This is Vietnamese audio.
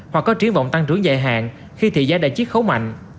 hoặc có triển vọng tăng trưởng dài hạn khi thị giá đại chiếc khấu mạnh